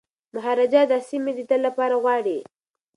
مهاراجا دا سیمي د تل لپاره غواړي.